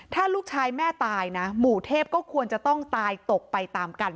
ถ้าลูกชายแม่ตายนะหมู่เทพก็ควรจะต้องตายตกไปตามกัน